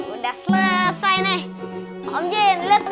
udah selesai nih